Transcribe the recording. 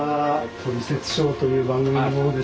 「トリセツショー」という番組の者です。